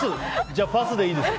じゃあパスでいいです。